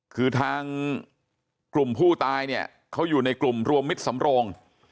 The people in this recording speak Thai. คือทางกลุ่มผู้ตายเนี่ยเขาอยู่ในกลุ่มรวมมิตรสำโรง